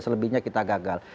selebihnya kita gagal